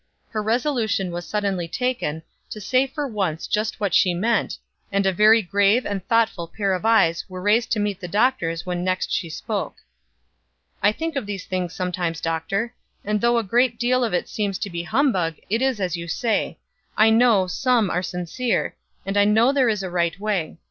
Her resolution was suddenly taken, to say for once just what she meant; and a very grave and thoughtful pair of eyes were raised to meet the doctor's when next she spoke. "I think of these things sometimes, doctor, and though a great deal of it seems to be humbug, it is as you say I know some are sincere, and I know there is a right way.